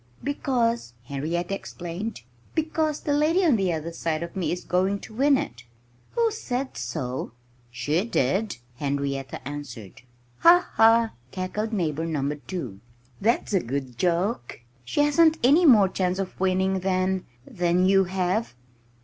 "Because " Henrietta explained "because the lady on the other side of me is going to win it." "Who said so?" "She did," Henrietta answered. "Ha! ha!" cackled Neighbor Number 2. "That's a good joke. She hasn't any more chance of winning than than you have!"